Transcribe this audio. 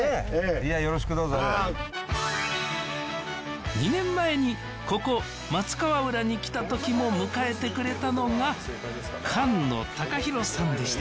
いやよろしくどうぞ２年前にここ松川浦に来たときも迎えてくれたのが管野貴拓さんでした